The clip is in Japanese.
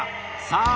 さあ